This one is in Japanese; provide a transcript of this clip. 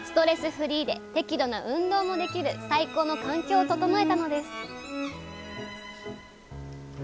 フリーで適度な運動もできる最高の環境を整えたのです